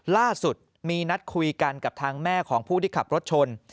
ล่าสุดมีนัดคุยกันกับทางแม่ของผู้ที่ขับรถชน